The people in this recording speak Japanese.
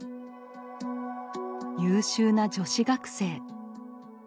優秀な女子学生。